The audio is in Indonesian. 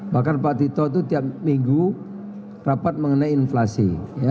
bahkan pak tito itu tiap minggu rapat mengenai inflasi